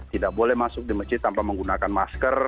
tidak boleh masuk di masjid tanpa menggunakan masker